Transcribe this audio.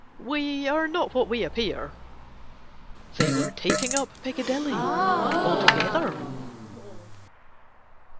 "We are not what we appear." They were taking up Picadilly altogether.